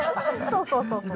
そうそうそう。